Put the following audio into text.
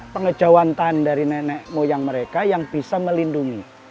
pengejawatan dari nenek moyang mereka yang bisa melindungi